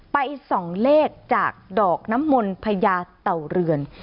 ไปส่องเลขจากดอกน้ำมนต์พญาเต่าเรือน